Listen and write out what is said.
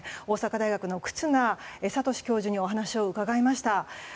大阪大学の忽那賢志教授にお話を伺いました。